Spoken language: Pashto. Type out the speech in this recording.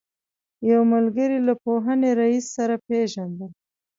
یو ملګري له پوهنې رئیس سره پېژندل.